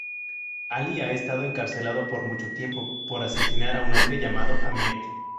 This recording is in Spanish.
Ali ha estado encarcelado por mucho tiempo por asesinar a un hombre llamado Ahmet.